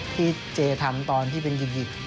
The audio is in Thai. ที่เจทำตอนที่เป็นหยิก